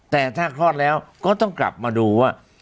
แต่ถ้าคลอดแล้วก็ต้องกลับมาดูว่า